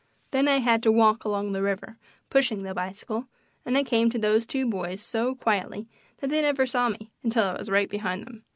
Then I had to walk along the river, pushing the bicycle, and I came to those two boys so quietly that they never saw me until I was right behind them.